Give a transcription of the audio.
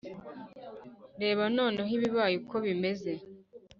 reba noneho ibibaye uko bimeze.